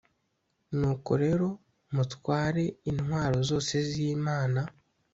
"Nuko rero mutware intwaro zose z’Imana